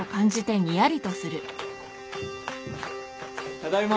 ただいま。